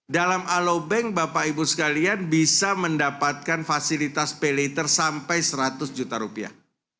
dalam alobank bapak ibu sekalian bisa mendapatkan fasilitas pay later sampai seratus juta rupiah